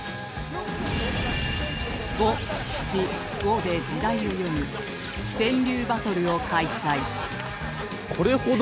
５・７・５で時代を詠む川柳バトルを開催